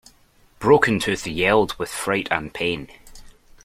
Broken-Tooth yelled with fright and pain.